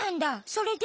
それで？